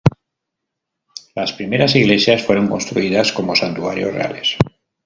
Las primeras iglesias fueron construidas como santuarios reales.